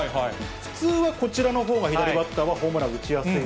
普通はこちらのほうが左バッターはホームランを打ちやすい。